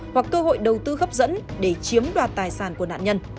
hoặc cơ hội đầu tư hấp dẫn để chiếm đoạt tài sản của nạn nhân